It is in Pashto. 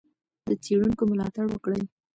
د څېړونکو ملاتړ وکړئ.